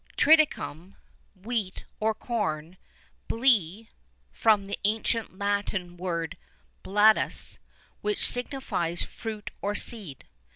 "Triticum," wheat, or corn; "Blé," from the ancient Latin word "Bladus," which signifies fruit or seed.